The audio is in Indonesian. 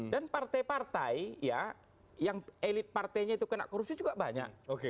dan partai partai ya yang elit partainya itu kena korupsi juga banyak